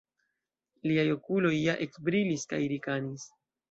Liaj okuloj ja ekbrilis kaj rikanis.